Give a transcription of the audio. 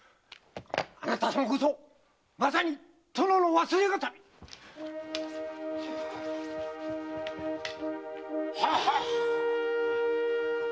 あなた様こそまさに殿の忘れ形見！ははーっ！